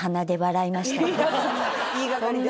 言いがかりです